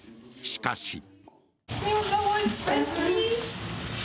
しかし。